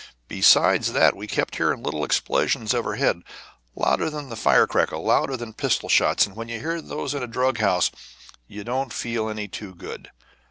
Besides that, we kept hearing little explosions overhead, louder than the fire crackle, louder than pistol shots, and when you hear those in a drug house you don't feel any too good.